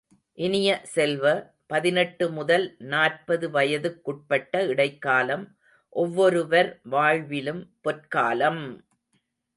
இனிய செல்வ, பதினெட்டு முதல் நாற்பது வயதுக்குட்பட்ட இடைக்காலம் ஒவ்வொருவர் வாழ்விலும் பொற்காலம்!